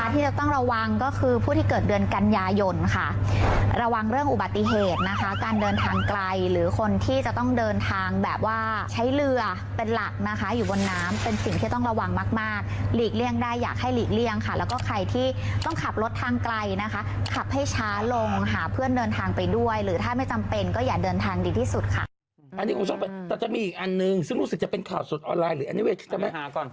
ที่จะต้องระวังก็คือผู้ที่เกิดเดือนกันยายนค่ะระวังเรื่องอุบัติเหตุนะคะการเดินทางไกลหรือคนที่จะต้องเดินทางแบบว่าใช้เรือเป็นหลักนะคะอยู่บนน้ำเป็นสิ่งที่ต้องระวังมากมากหลีกเลี่ยงได้อยากให้หลีกเลี่ยงค่ะแล้วก็ใครที่ต้องขับรถทางไกลนะคะขับให้ช้าลงหาเพื่อนเดินทางไปด้วยหรือถ้าไม่จำเป็นก็อย่าเดินทางดีที่สุดค่ะ